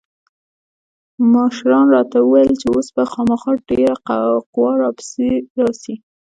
مشرانو راته وويل چې اوس به خامخا ډېره قوا را پسې راسي.